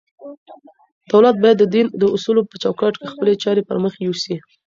دولت بايد د دين د اصولو په چوکاټ کي خپلي چارې پر مخ يوسي.